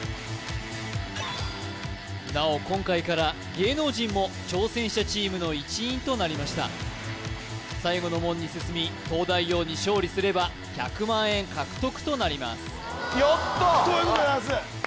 なお今回から芸能人も挑戦者チームの一員となりました最後の門に進み東大王に勝利すれば１００万円獲得となりますということでございます